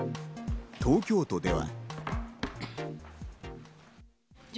東京都では。